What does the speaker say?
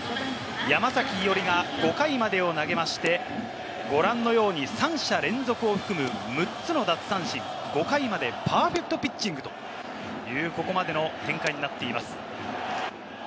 山崎伊織が５回までを投げまして、ご覧のように三者連続を含む６つの奪三振、５回までパーフェクトピッチングという、ここまでの展開になっています。